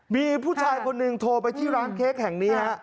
มีผู้ชายโทรมาไปร้านเค้กแห่งนี้